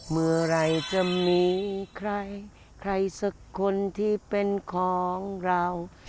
เมื่อไหร่จะมีใครใครสักคนที่เป็นของเรา